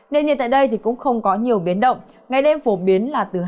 đền nhiệt tại đây cũng không có nhiều biến động ngày đêm phổ biến là từ hai mươi hai đến ba mươi hai độ